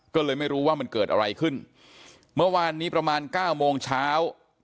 ก็เลยไม่รู้ว่ามันเกิดอะไรขึ้นเมื่อวานนี้ประมาณเก้าโมงเช้า